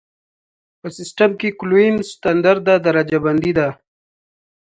په سیسټم کې کلوین ستندرده درجه بندي ده.